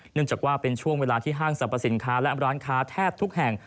เนื่องจากว่าเป็นช่วงเวลาที่ห้างสรรพสินค้าและร้านค้าแทบทุกแห่ง